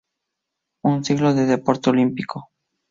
Un siglo de deporte olímpico.